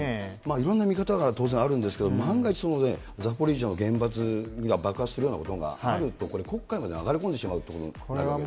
いろんな見方が当然あるんですけれども、万が一、ザポリージャの原発が爆発するようなことがあると、これ、黒海に流れ込んでしまうということになるわけですよね。